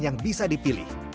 yang bisa dipilih